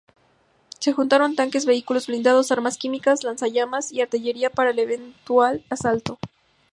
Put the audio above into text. Se juntaron tanques, vehículos blindados, armas químicas, lanzallamas y artillería para el eventual asalto.